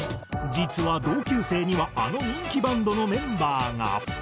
実は同級生にはあの人気バンドのメンバーが。